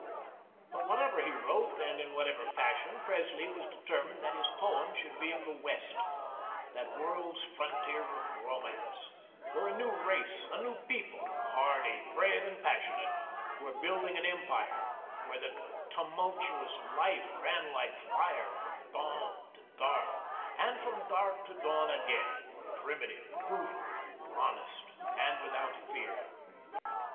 But whatever he wrote, and in whatever fashion, Presley was determined that his poem should be of the West, that world's frontier of Romance, where a new race, a new people hardy, brave, and passionate were building an empire; where the tumultuous life ran like fire from dawn to dark, and from dark to dawn again, primitive, brutal, honest, and without fear.